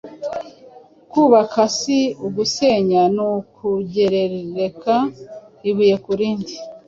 Kubaka si ugusenya ni ukugereka ibuye ku rindi.